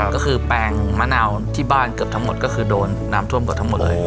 ก็คือแปลงมะนาวที่บ้านเกือบทั้งหมดก็คือโดนน้ำท่วมเกือบทั้งหมดเลย